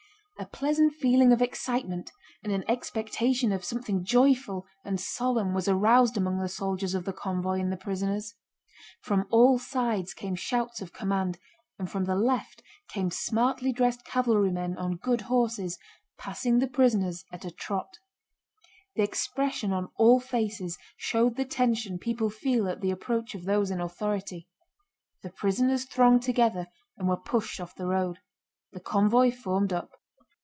A pleasant feeling of excitement and an expectation of something joyful and solemn was aroused among the soldiers of the convoy and the prisoners. From all sides came shouts of command, and from the left came smartly dressed cavalrymen on good horses, passing the prisoners at a trot. The expression on all faces showed the tension people feel at the approach of those in authority. The prisoners thronged together and were pushed off the road. The convoy formed up.